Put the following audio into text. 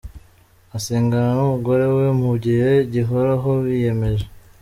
Asengana n’umugore we mu gihe gihoraho biyemeje.